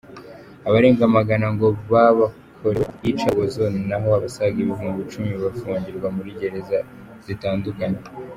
Abarenga amagana ngo babakorewe iyicarubozo na ho abasaga ibihumbi icumi bafungirwa muri gereza zitandukanye.